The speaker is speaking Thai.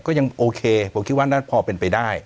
ก็ยังโอเคเพราะว่าน่านั้นพอเป็นไปได้